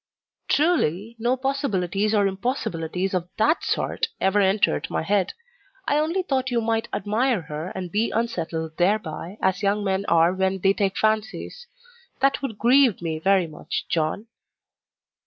"Truly, no possibilities or impossibilities of THAT sort ever entered my head. I only thought you might admire her, and be unsettled thereby as young men are when they take fancies. That would grieve me very much, John."